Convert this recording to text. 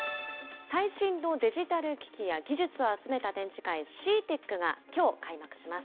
最新のデジタル機器や技術を集めた展示会、ＣＥＡＴＥＣがきょう開幕します。